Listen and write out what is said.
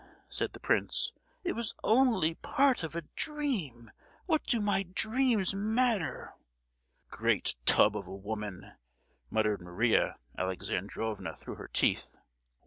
said the prince, "it was only part of a dream! What do my dreams matter?——" "Great tub of a woman!" muttered Maria Alexandrovna through her teeth.